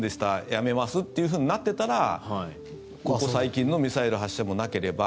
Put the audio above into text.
やめますってなってたらここ最近のミサイル発射もなければ。